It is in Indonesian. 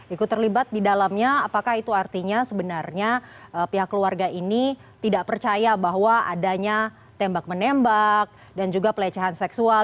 ikut terlibat di dalamnya apakah itu artinya sebenarnya pihak keluarga ini tidak percaya bahwa adanya tembak menembak dan juga pelecehan seksual